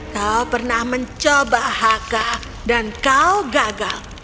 kau pernah mencoba haka dan kau gagal